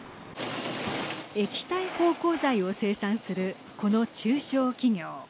液体芳香剤を生産するこの中小企業。